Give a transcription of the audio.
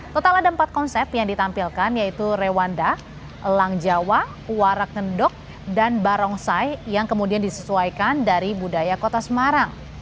total ada empat konsep yang ditampilkan yaitu rewanda elang jawa warak ngendok dan barongsai yang kemudian disesuaikan dari budaya kota semarang